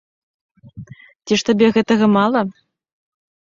Ці ж табе гэтага мала?